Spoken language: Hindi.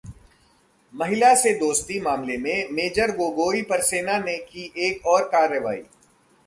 महिला से 'दोस्ती' मामले में मेजर गोगोई पर सेना ने की एक और कार्रवाई